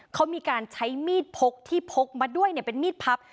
เขามีการใช้มีดพกที่พกมาด้วยเป็นมีดพับ